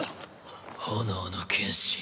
炎の剣士。